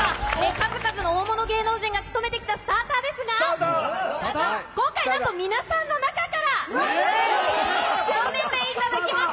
数々の大物芸能人が務めてきたスターター、今回、なんと皆さんの中から務めていただきます。